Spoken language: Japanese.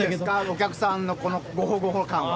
お客さんのごほごほ感は。